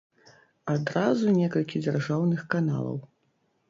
Адразу некалькі дзяржаўных каналаў.